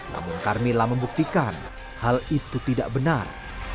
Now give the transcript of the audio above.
namun carmila membuktikan hal itu tidak benar